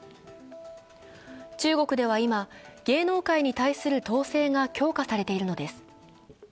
中国では今、芸能界に対する統制が強化されているのです。